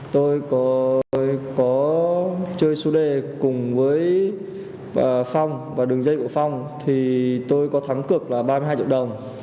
tôi có chơi su đê cùng với phong và đường dây của phong thì tôi có thắng cực là ba mươi hai triệu đồng